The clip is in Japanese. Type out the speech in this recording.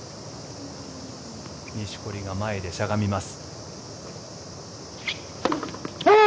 錦織が前でしゃがみます。